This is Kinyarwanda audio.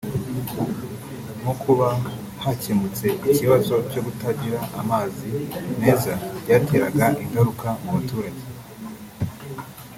nko kuba hakemutse ikibazo cyo kutagira amazi meza byateraga ingaruka mu baturage